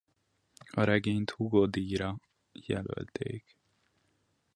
A regényt Hugo-díjra jelölték.